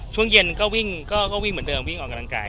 ช่วงเย็นก็วิ่งก็วิ่งเหมือนเดิมวิ่งออกกำลังกาย